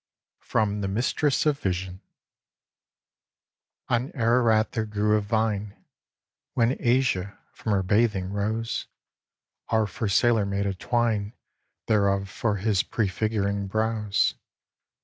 From "THE MISTRESS OF VISION" On Ararat there grew a vine, When Asia from her bathing rose; Our first sailor made a twine Thereof for his prefiguring brows.